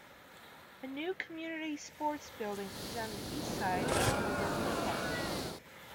A new community sports building is on the east side at Olympic Park.